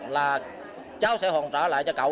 là cháu sẽ hoàn trả lại cho cậu